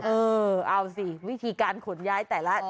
เออเอาสิวิธีการขนย้ายแต่ละ